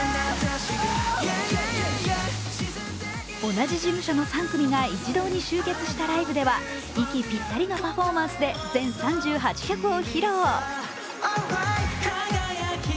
同じ事務所の３組が一堂に集結したライブでは息ぴったりのパフォーマンスで全３８曲を披露。